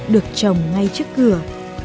được trồng ngay trước cửa